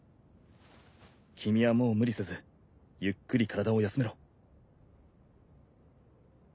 君はもう無理せずゆっくり体を休めろ。